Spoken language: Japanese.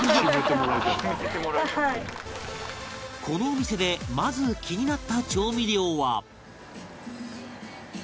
このお店でまず気になった調味料は